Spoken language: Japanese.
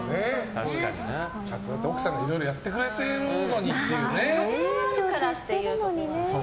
奥さんがいろいろやってくれてるのにっていうね。